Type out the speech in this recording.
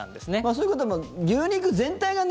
そういうことです。